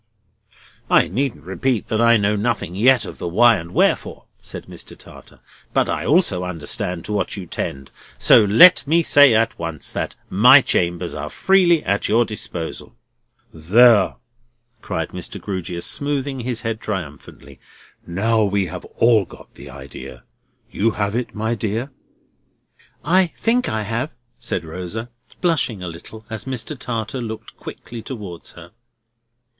"I needn't repeat that I know nothing yet of the why and wherefore," said Mr. Tartar; "but I also understand to what you tend, so let me say at once that my chambers are freely at your disposal." "There!" cried Mr. Grewgious, smoothing his head triumphantly, "now we have all got the idea. You have it, my dear?" "I think I have," said Rosa, blushing a little as Mr. Tartar looked quickly towards her.